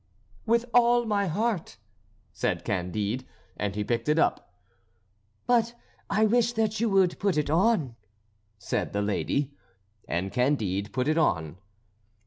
"With all my heart," said Candide. And he picked it up. "But I wish that you would put it on," said the lady. And Candide put it on.